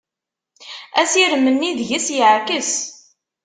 Assirem-nni deg-s yeɛkes.